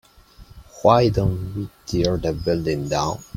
why don't we tear the building down?